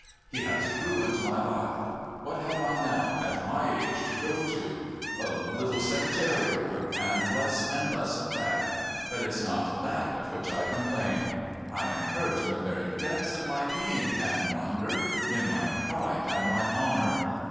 "He has ruined my life. What have I now at my age to go to? A little secretarial work, and less and less of that. But it's not that of which I complain. I am hurt in the very depths of my being, Canon Ronder. In my pride and my honour.